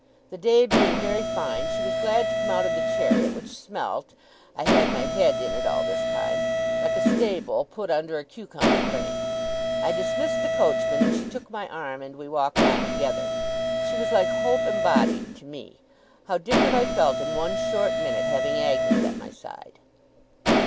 The day being very fine, she was glad to come out of the chariot, which smelt (I had my head in it all this time) like a stable put under a cucumber frame. I dismissed the coachman, and she took my arm, and we walked on together. She was like Hope embodied, to me. How different I felt in one short minute, having Agnes at my side!